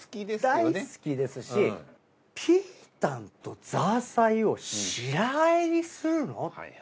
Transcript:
大好きですしピータンとザーサイを白和えにするのって。